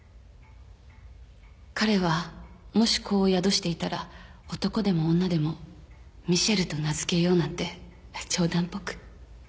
彼はもし子を宿していたら男でも女でもミシェルと名付けようなんて冗談っぽく。